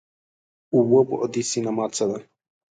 اووه بعدی سینما څه ده؟